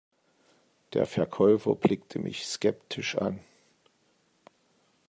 Der Verkäufer blickte mich skeptisch an.